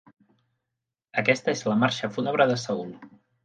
Aquesta és la Marxa fúnebre de "Saul".